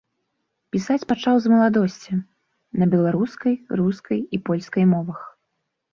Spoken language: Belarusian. Пісаць пачаў з маладосці, на беларускай, рускай і польскай мовах.